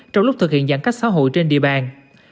trong lúc thực hiện giãn cách xã hội trên địa bàn